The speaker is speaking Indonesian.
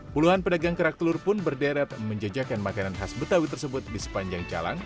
puluhan pedagang kerak telur pun berderet menjejakan makanan khas betawi tersebut di sepanjang jalan